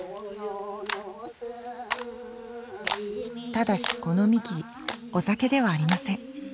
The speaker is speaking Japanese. ただしこのみきお酒ではありません。